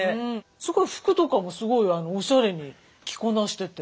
すごい服とかもすごいオシャレに着こなしてて。